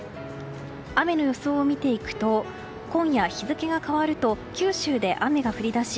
雨の予想を見ていくと今夜、日付が変わると九州で雨が降り出し